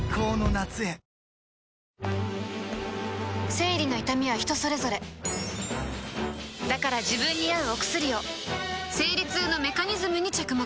生理の痛みは人それぞれだから自分に合うお薬を生理痛のメカニズムに着目